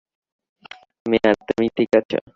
মেয়ার, তুমি ঠিক আছো?